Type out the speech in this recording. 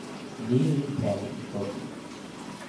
ni li ken e toki.